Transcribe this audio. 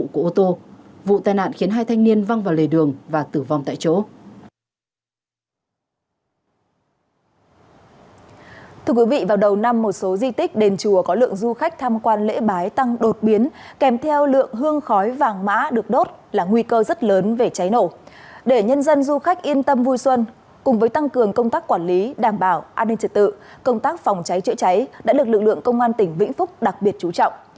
cùng với tăng cường công tác quản lý đảm bảo an ninh trật tự công tác phòng cháy chữa cháy đã được lực lượng công an tỉnh vĩnh phúc đặc biệt chú trọng